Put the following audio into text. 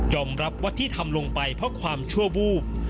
รับว่าที่ทำลงไปเพราะความชั่ววูบ